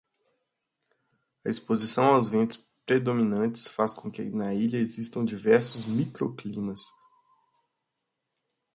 A exposição aos ventos predominantes, faz com que na ilha existam diversos micro-climas.